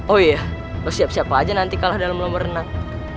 oh iya lo siap siap aja nanti kalo ada lomba renang